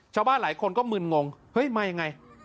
ชาวบ้านหลายคนก็มึนงงเฮ้ยมายังไง